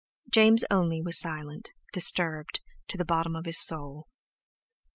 James only was silent, disturbed, to the bottom of his soul.